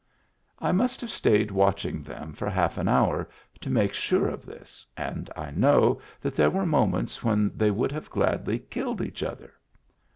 I must have stayed watching them for half an hour to make sure of this and I know that there were moments when they would have gladly killed each other.